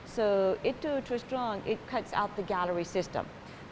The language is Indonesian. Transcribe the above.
jadi itu terus terang itu memotong sistem galeri